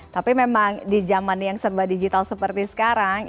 tapi memang di zaman yang serba digital seperti sekarang